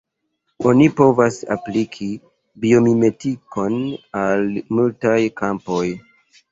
Oni povas apliki biomimetikon al multaj kampoj.